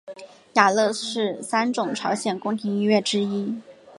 雅乐是三种朝鲜宫廷音乐之一。